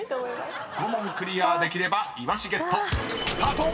［５問クリアできればイワシゲット。